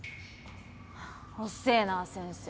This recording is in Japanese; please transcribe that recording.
ハァおっせえな先生。